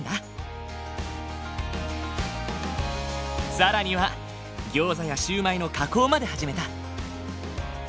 更にはギョーザやシューマイの加工まで始めた。